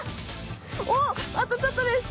おおあとちょっとです。